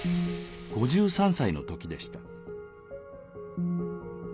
５３歳の時でした。